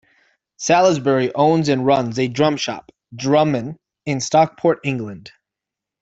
Salisbury owns and runs a drum shop, "Drummin", in Stockport, England.